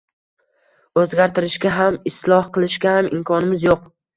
o‘zgartirishga ham isloh qilishga ham imkonimiz yo‘q;